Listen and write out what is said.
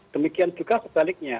demikian juga sebaliknya